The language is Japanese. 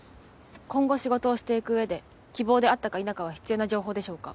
今後仕事をしていく上で希望であったか否かは必要な情報でしょうか？